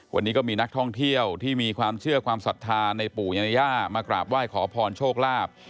วันนี้ก็มีนักท่องเที่ยวที่มีความเชื่อความศรัทธาในปู่ยานาย่ามากราบไหว้ขอพรโชคลาภ